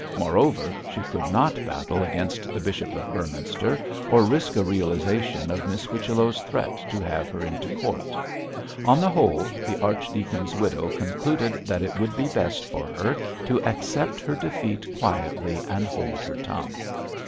Moreover, she could not battle against the Bishop of Beorminster, or risk a realisation of Miss Whichello's threat to have her into court. On the whole, the archdeacon's widow concluded that it would be best for her to accept her defeat quietly and hold her tongue.